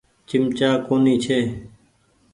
چمچآ ڪونيٚ ڇي۔